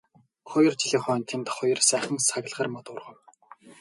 Хоёр жилийн хойно тэнд хоёр сайхан саглагар мод ургав.